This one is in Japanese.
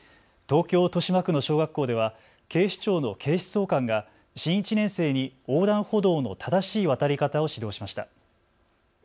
東京豊島区の小学校では警視庁の警視総監が新１年生に横断歩道の正しい渡り方を指導しました。